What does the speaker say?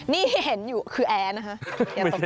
นี่ที่เห็นอยู่คือแอร์นะคะ